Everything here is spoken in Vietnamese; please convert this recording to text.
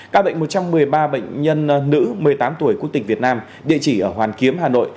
các bệnh một trăm một mươi ba bệnh nhân nữ một mươi tám tuổi quốc tịch việt nam địa chỉ ở hoàn kiếm hà nội